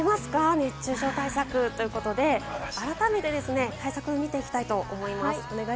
熱中症対策」ということで、改めて対策を見ていきたいと思います。